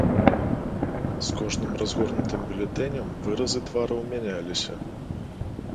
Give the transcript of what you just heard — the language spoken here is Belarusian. З кожным разгорнутым бюлетэнем выразы твараў мяняліся.